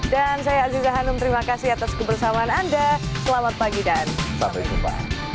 dan saya aziza hanum terima kasih atas kebersamaan anda selamat pagi dan sampai jumpa